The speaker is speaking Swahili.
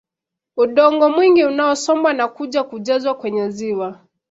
Udongo mwingi unasombwa na kuja kujazwa kwenye ziwa